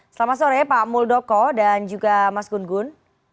selamat sore pak muldoko dan juga mas gun gun